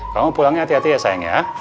kamu pulangnya hati hati ya sayang ya